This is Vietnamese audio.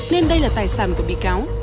nên đây là tài sản của bị cáo